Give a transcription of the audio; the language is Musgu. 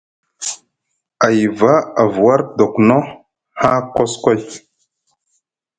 A yiva avu war dokno haa koskoy.